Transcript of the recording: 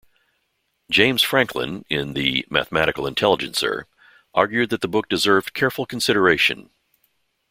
James Franklin in the "Mathematical Intelligencer" argued that the book deserved careful consideration.